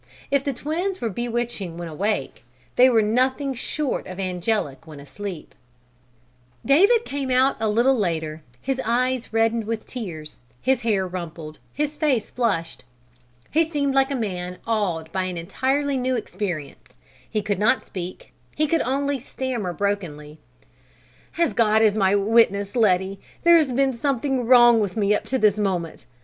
If the twins were bewitching when awake, they were nothing short of angelic when asleep. [Illustration: "I NEVER THOUGHT OF THEM AS MY CHILDREN BEFORE"] David came out a little later, his eyes reddened with tears, his hair rumpled, his face flushed. He seemed like a man awed by an entirely new experience. He could not speak, he could only stammer brokenly: "As God is my witness, Letty, there's been something wrong with me up to this moment.